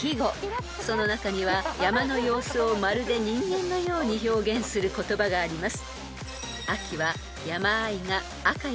［その中には山の様子をまるで人間のように表現する言葉があります］